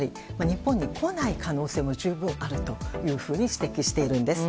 つまり、日本に来ない可能性も十分にあるというふうに指摘しているんです。